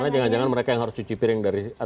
karena jangan jangan mereka yang harus cuci piring dari